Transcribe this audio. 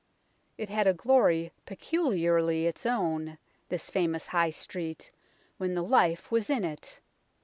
It had a glory peculiarly its own, this famous High Street, when the life was in it.